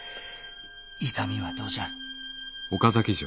痛みはどうじゃ？